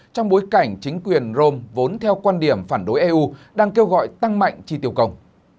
trong bối cảnh chính quyền rome vốn theo quan điểm phản đối eu đang kêu gọi tăng mạnh chi tiêu công